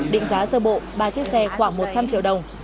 định giá sơ bộ ba chiếc xe khoảng một trăm linh triệu đồng